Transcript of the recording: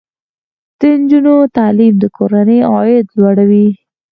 د نجونو تعلیم د کورنۍ عاید لوړوي.